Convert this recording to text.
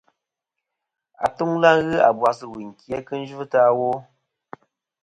Atuŋlɨ ghɨ abas ɨ wuyn ki a kɨ yvɨtɨ awo.